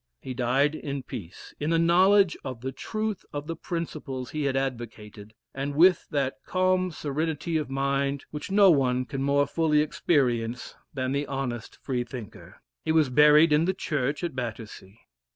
He died in peace in the knowledge of the truth of the principles he had advocated, and with that calm serenity of mind, which no one can more fully experience than the honest Freethinker. He was buried in the church at Battersea.